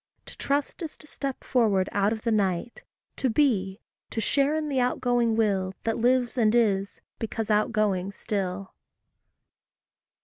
To trust is to step forward out of the night To be to share in the outgoing Will That lives and is, because outgoing still.